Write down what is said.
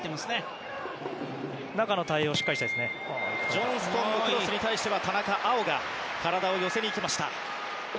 ジョンストンのクロスに対して田中碧が体を寄せに行きました。